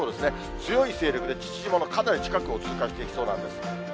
強い勢力で父島のかなり近くを通過していきそうなんです。